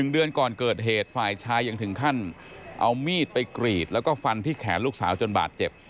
เดือนก่อนเกิดเหตุฝ่ายชายยังถึงขั้นเอามีดไปกรีดแล้วก็ฟันที่แขนลูกสาวจนบาดเจ็บ